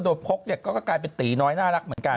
โดยพกเนี่ยก็กลายเป็นตีน้อยน่ารักเหมือนกัน